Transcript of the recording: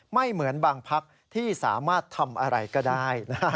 ไม่เหมือนบางพักที่สามารถทำอะไรก็ได้